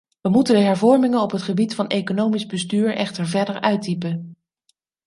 We moeten de hervormingen op het gebied van economisch bestuur echter verder uitdiepen.